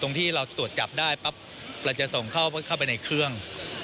ที่เราตรวจจับได้ปั๊บเราจะส่งเข้าไปในเครื่อง